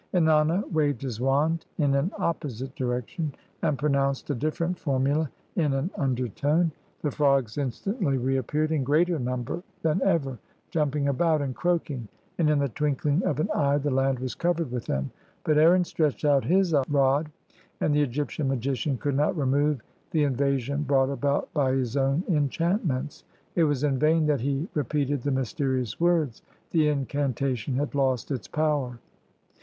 Ennana waved his wand in an opposite direction, and pronounced a different formula in an undertone. The frogs instantly reappeared in greater number 149 EGYPT than ever, jumping about and croaking; and in the twinkling of an eye the land was covered with them. But Aaron stretched out his rod and the Egyptian magician could not remove the invasion brought about by his own enchantments. It was in vain that he re peated the mysterious words, the incantation had lost its power.